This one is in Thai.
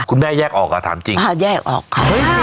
คุณแม่แยกออกอ่ะถามจริงอ่าแยกออกค่ะเฮ้ย